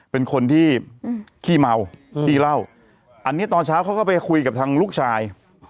เป็นคนที่ขี้เมาขี้เหล้าอันนี้ตอนเช้าเขาก็ไปคุยกับทางลูกชาย